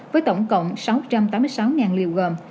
với tổng cộng sáu trăm tám mươi sáu liều gồm